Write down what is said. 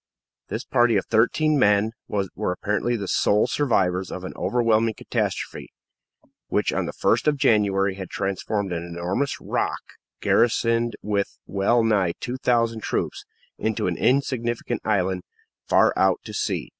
This party of thirteen men were apparently the sole survivors of an overwhelming catastrophe, which on the 1st of January had transformed an enormous rock, garrisoned with well nigh two thousand troops, into an insignificant island far out to sea.